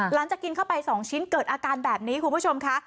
หลังจากกินเข้าไป๒ชิ้นเกิดอาการแบบนี้คุณผู้ชมค่ะ